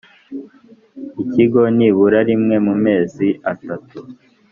ikigo nibura rimwe mu mezi atatu